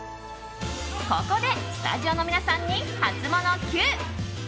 ここで、スタジオの皆さんにハツモノＱ。